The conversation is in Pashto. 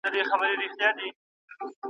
د بوټو درملنه څومره اغیزمنه ده؟